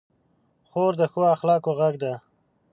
خور د ښو اخلاقو غږ ده.